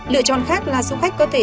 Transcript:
lựa chọn khác là du khách có thể